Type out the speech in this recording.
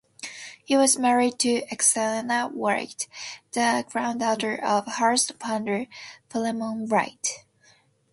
He was married to Erexina Wright, the granddaughter of Hull's founder, Philemon Wright.